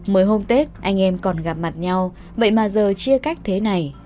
mới hôm tết anh em còn gặp mặt nhau vậy mà giờ chia cách thế này